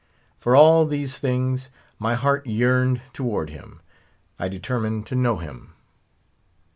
For all these things, my heart yearned toward him; I determined to know him.